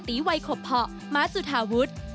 วัยขบเพาะม้าจุธาวุฒิ